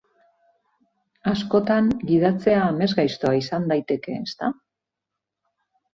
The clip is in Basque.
Askotan, gidatzea amesgaiztoa izan daiteke, ezta?